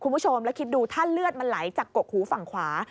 คุณผู้ชมแล้วคิดดูถ้าเลือดมันไหลจากกกหูฝั่งขวา